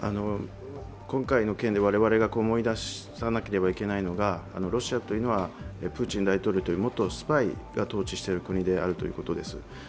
今回の件で我々が思い出さなければいけないのは、ロシアというのはプーチン大統領という、元スパイが統治している国であるということです。